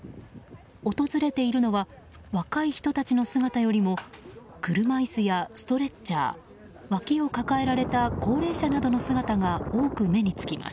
訪れているのは若い人たちの姿よりも車椅子やストレッチャーわきを抱えられた高齢者などの姿が多く目につきます。